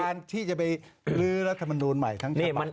การที่จะไปลื้อรัฐมนุนใหม่ทั้งชะบับ